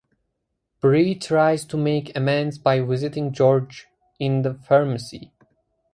Bree tries to make amends by visiting George in the pharmacy.